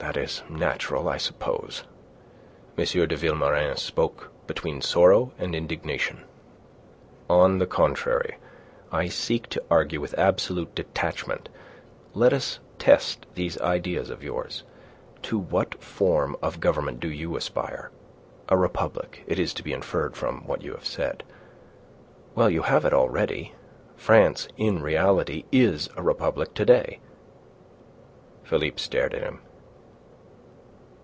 That is natural, I suppose." M. de Vilmorin spoke between sorrow and indignation. "On the contrary, I seek to argue with absolute detachment. Let us test these ideas of yours. To what form of government do you aspire? A republic, it is to be inferred from what you have said. Well, you have it already. France in reality is a republic to day." Philippe stared at him.